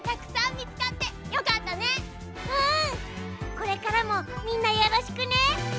これからもみんなよろしくね。